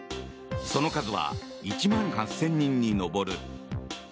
その数は１万８０００人に上る。